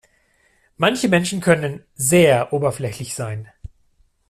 Manche Menschen können sehr oberflächlich sein.